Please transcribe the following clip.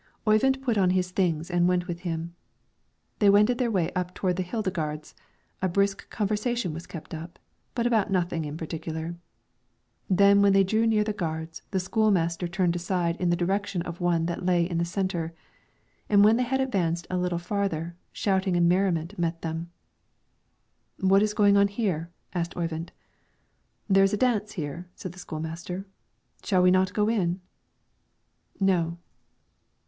Oyvind put on his things and went with him. They wended their way up toward the Heidegards; a brisk conversation was kept up, but about nothing in particular; when they drew near the gards the school master turned aside in the direction of one that lay in the centre, and when they had advanced a little farther, shouting and merriment met them. "What is going on here?" asked Oyvind. "There is a dance here," said the school master; "shall we not go in?" "No."